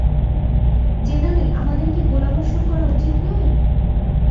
General, আমাদের কি গোলাবর্ষণ করা উচিত নয়?